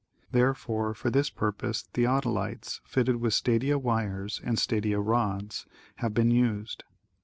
Therefore for this purpose theodolites, fitted with stadia wires and stadia rods, have been used.